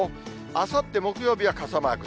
あさって木曜日は傘マーク。